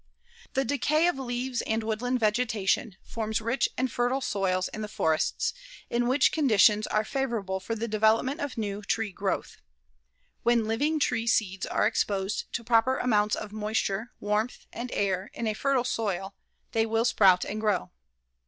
The decay of leaves and woodland vegetation forms rich and fertile soils in the forests, in which conditions are favorable for the development of new tree growth. When living tree seeds are exposed to proper amounts of moisture, warmth and air in a fertile soil, they will sprout and grow.